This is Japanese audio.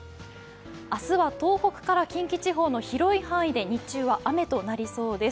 明日は東北から近畿地方の広い範囲で日中は雨となりそうです。